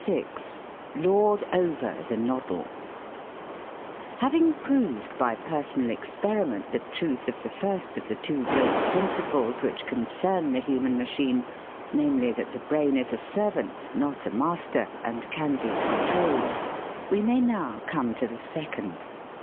VI LORD OVER THE NODDLE Having proved by personal experiment the truth of the first of the two great principles which concern the human machine namely, that the brain is a servant, not a master, and can be controlled we may now come to the second.